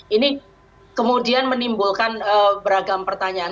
ini kemudian menimbulkan beragam pertanyaan